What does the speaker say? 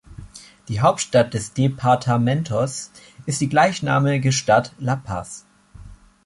Die Hauptstadt des Departamentos ist die gleichnamige Stadt La Paz.